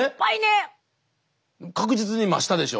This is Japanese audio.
確実に増したでしょ？